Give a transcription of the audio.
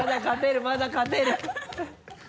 まだ勝てる